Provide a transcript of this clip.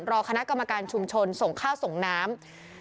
รอคณะกรรมการชุมชนส่งข้าวส่งน้ำ